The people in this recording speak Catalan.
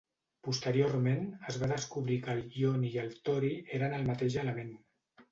Posteriorment, es va descobrir que el ioni i el tori eren el mateix element.